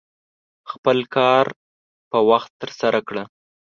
خپل کار په وخت ترسره کړه.